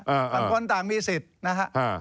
ส่างคนต่างมีสิทธิ์นะครับ